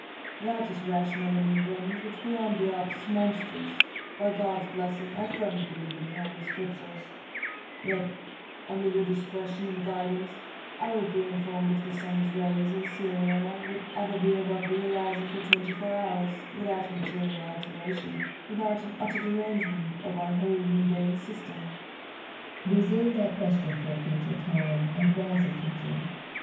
Newton. That is rational in England which beyond the Alps is monstrous. By God's blessing, I firmly believe in the Holy Scriptures ; yet, under your discretion and guid ance, I would be informed if the sun's rays in Syria could ever be above the horizon for twenty four hours, without a material alteration, without an utter derangement, of our whole mundane system 1 198 IMA GINAR Y CONVERSA TIONS. Barrow. Reserve that question for a future time and a ■wiser teacher.